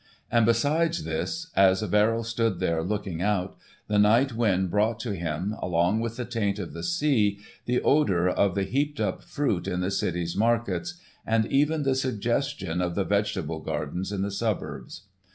And besides this, as Verrill stood there looking out, the night wind brought to him, along with the taint of the sea, the odour of the heaped up fruit in the city's markets and even the suggestion of the vegetable gardens in the suburbs.